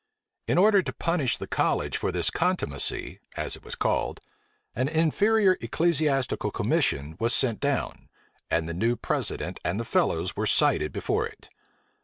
In order to punish the college for this contumacy, as it was called, an inferior ecclesiastical commission was sent down, and the new president and the fellows were cited before it.